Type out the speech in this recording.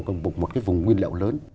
cần bục một cái vùng nguyên liệu lớn